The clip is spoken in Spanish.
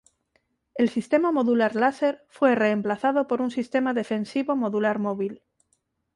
El sistema modular láser fue reemplazado por un sistema defensivo modular móvil.